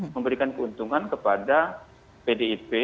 memberikan keuntungan kepada pdip